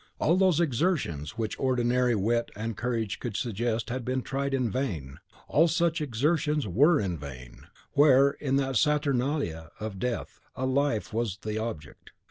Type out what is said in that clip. All those exertions which ordinary wit and courage could suggest had been tried in vain. All such exertions WERE in vain, where, in that Saturnalia of death, a life was the object.